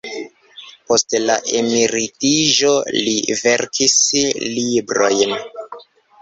Post la emeritiĝo li verkis librojn.